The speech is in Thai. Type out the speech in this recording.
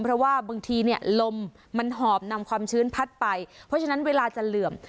เพราะว่าบางทีเนี่ยลมมันหอบนำความชื้นพัดไปเพราะฉะนั้นเวลาจะเหลื่อม